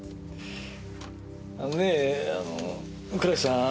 あのねあの倉石さん。